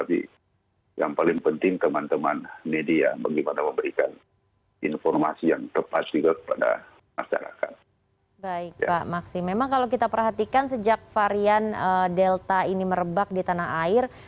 memang kalau kita perhatikan sejak varian delta ini merebak di tanah air